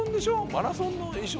マラソンの衣装でしょ？